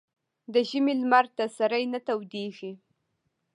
ـ د ژمي لمر ته سړى نه تودېږي.